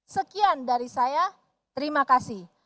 sekian dari saya terima kasih